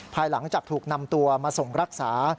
ภายหลังจากถูกนำตัวมาส่งรักษา